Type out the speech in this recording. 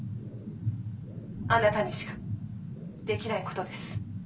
あなたにしかできないことです」。